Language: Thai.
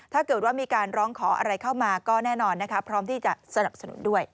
ถ้าเกิดว่ามีการร้องขออะไรเข้ามาก็แน่นอนนะคะพร้อมที่จะสนับสนุนด้วย